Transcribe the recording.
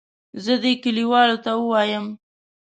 زه دې کلیوالو ته ووایم.